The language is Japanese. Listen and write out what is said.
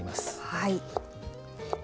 はい。